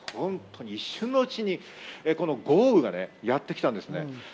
一瞬のうちに豪雨がやってきたんです。